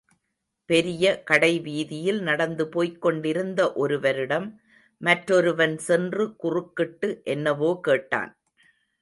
பெரிய கடைவீதியில் நடந்து போய்க்கொண்டிருந்த ஒருவரிடம் மற்றொருவன் சென்று குறுக்கிட்டு, என்னவோ கேட்டான்.